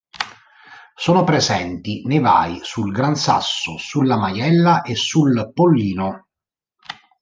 Sono presenti nevai sul Gran Sasso, sulla Maiella e sul Pollino.